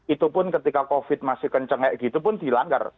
itu pun ketika covid masih kenceng kayak gitu pun dilanggar